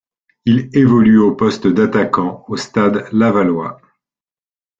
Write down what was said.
Il évolue au poste d'attaquant au Stade lavallois.